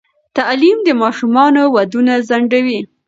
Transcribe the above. تعلیم د ماشومانو ودونه ځنډوي.